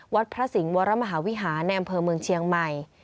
วัดพระสิงห์วรมหาวิหารในอำเภอเมืองเชียงใหม่